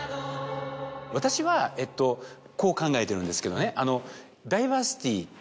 私はこう考えてるんですけどね。